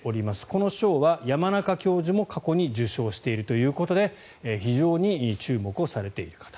この賞は山中教授も過去に受賞しているということで非常に注目されている方。